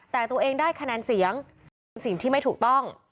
แต่ตัวเองได้คะแนนเสียงสิ่งที่ไม่ถูกต้อง